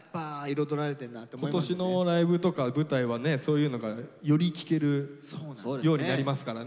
今年のライブとか舞台はねそういうのがより聞けるようになりますからね。